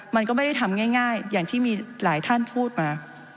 มันก็ไม่ได้ทำง่ายอย่างที่มีหลายท่านพูดมา